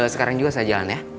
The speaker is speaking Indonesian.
sekarang juga saya jalan ya